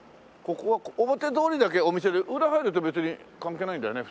ここは表通りだけお店で裏入ると別に関係ないんだよね？